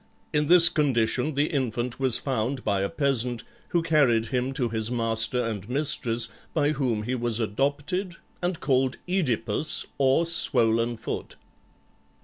In this condition the infant was found by a peasant, who carried him to his master and mistress, by whom he was adopted and called OEdipus, or Swollen foot.